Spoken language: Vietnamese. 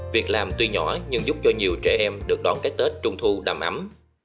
việc làm tuy nhỏ nhưng giúp cho nhiều trẻ em được đón cái tết trung thu đầm ấm